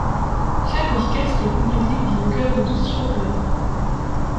Chaque orchestre est complété par un chœur de douze chanteurs.